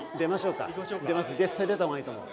絶対出たほうがいいと思う。